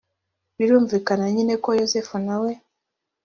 birumvikana nyine ko yozefu na we